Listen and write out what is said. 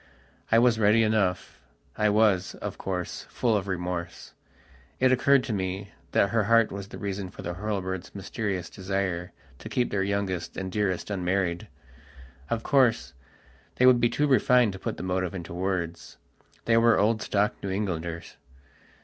I was ready enough. I was, of course, full of remorse. It occurred to me that her heart was the reason for the Hurlbirds' mysterious desire to keep their youngest and dearest unmarried. Of course, they would be too refined to put the motive into words. They were old stock New Englanders.